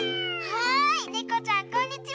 はいねこちゃんこんにちは。